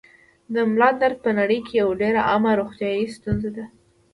د ملا درد په نړۍ کې یوه ډېره عامه روغتیايي ستونزه ده.